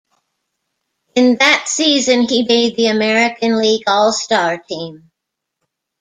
In that season he made the American League All-Star team.